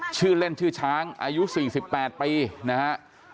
ชื่อเล่นชื่อช้างอายุสี่สิบแปดปีนะฮะ